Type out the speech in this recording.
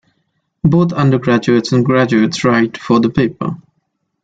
Both undergraduates and graduates write for the paper.